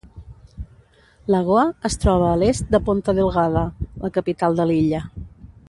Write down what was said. Lagoa es troba a l'est de Ponta Delgada, la capital de l'illa.